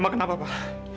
emang kenapa pak